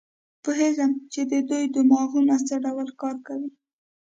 پوهېدم چې د دوی دماغونه څه ډول کار کوي.